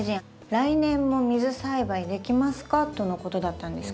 「来年も水栽培できますか？」とのことだったんですけどできますか？